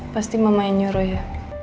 pasti mama yang nyuruh ya